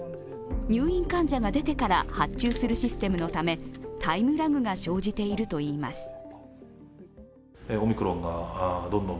入院患者が出てから発注するシステムのためタイムラグが生じているといいます。